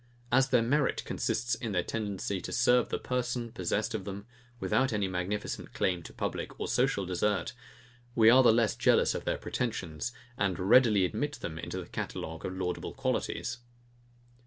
As their merit consists in their tendency to serve the person, possessed of them, without any magnificent claim to public and social desert, we are the less jealous of their pretensions, and readily admit them into the catalogue of laudable qualities.